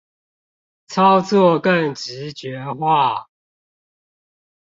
操作更直覺化